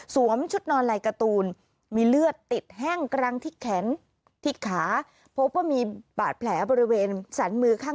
สวมชุดนอนลายการ์ตูน